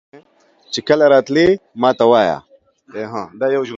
چې کله راتلې ماته وایه.